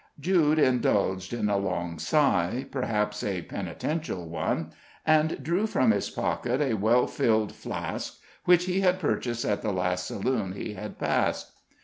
Jude indulged in a long sigh, perhaps a penitential one, and drew from his pocket a well filled flask, which he had purchased at the last saloon he had passed.